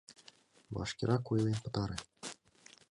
— Вашкерак ойлен пытаре.